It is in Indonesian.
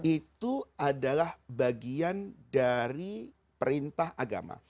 itu adalah bagian dari perintah agama